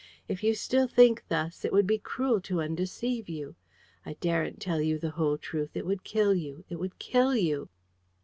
If you still think thus, it would be cruel to undeceive you. I daren't tell you the whole truth. It would kill you! It would kill you!"